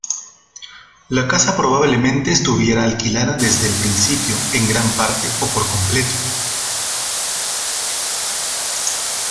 La casa probablemente estuviera alquilada desde el principio en gran parte o por completo.